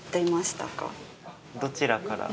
「どちらから」。